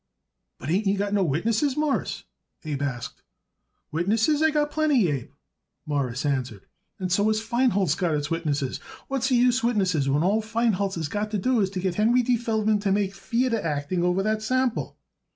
"But ain't you got no witnesses, Mawruss?" Abe asked. "Witnesses I got it plenty, Abe," Morris answered. "And so has Feinholz got it witnesses. What's the use witnesses when all Feinholz has got to do is to get Henry D. Feldman to make theayter acting over that sample?